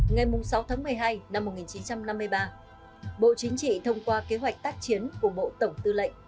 ngày sáu tháng một mươi hai năm một nghìn chín trăm năm mươi ba bộ chính trị thông qua kế hoạch tác chiến của bộ tổng tư lệnh